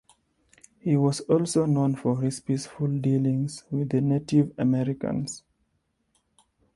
He was also known for his peaceful dealings with the Native Americans.